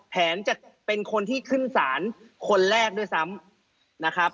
จะเป็นคนที่ขึ้นศาลคนแรกด้วยซ้ำนะครับ